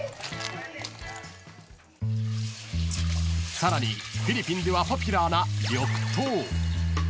［さらにフィリピンではポピュラーな緑豆］